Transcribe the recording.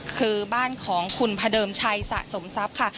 คือบ้านของขุนพระเดิมชัยสะสมศัพท์